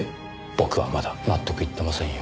僕はまだ納得いってませんよ。